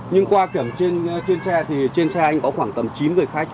nhưng qua kiểm trên xe thì trên xe anh có khoảng tầm chín người khách